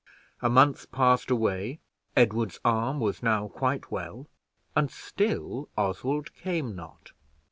A month passed away; Edward's arm was now quite well, and still Oswald came not.